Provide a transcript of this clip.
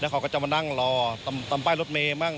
เขาก็จะมานั่งรอตามป้ายรถเมย์มั่ง